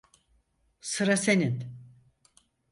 Sıra senin.